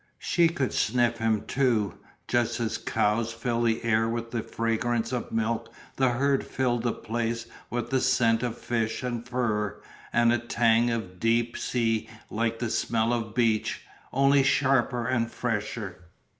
She could sniff him too. Just as cows fill the air with the fragrance of milk the herd filled the place with the scent of fish and fur and a tang of deep sea like the smell of beach, only sharper and fresher.